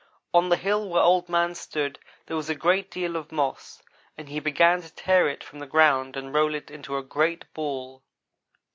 On the hill where Old man stood there was a great deal of moss, and he began to tear it from the ground and roll it into a great ball.